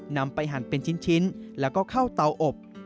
นำไปหั่นเป็นชิ้นแล้วก็เข้าเตาอบ